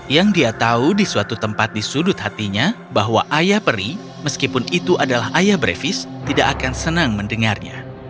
yang dia tahu di suatu tempat di sudut hatinya bahwa ayah peri meskipun itu adalah ayah brevis tidak akan senang mendengarnya